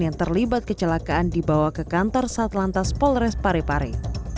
yang terlibat kecelakaan dibawa ke kantor satlantas polres parepare